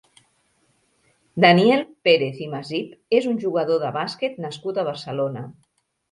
Daniel Pérez i Masip és un jugador de bàsquet nascut a Barcelona.